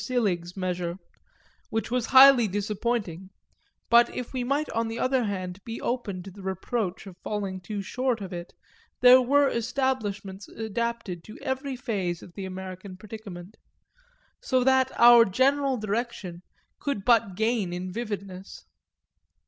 Sillig's measure which was highly disappointing; but if we might on the other hand be open to the reproach of falling too short of it there were establishments adapted to every phase of the American predicament; so that our general direction could but gain in vividness.